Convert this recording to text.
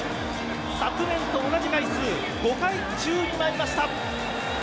昨年と同じ回数５回宙に舞いました。